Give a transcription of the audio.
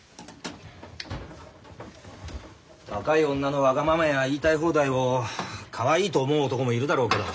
若い女のわがままや言いたい放題をかわいいと思う男もいるだろうけど。